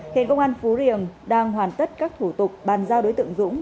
hiện công an phú riềng đang hoàn tất các thủ tục bàn giao đối tượng dũng